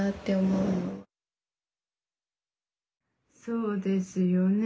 そうですよね。